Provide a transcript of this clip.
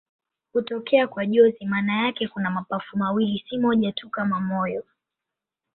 Hutokea kwa jozi maana yake kuna mapafu mawili, si moja tu kama moyo.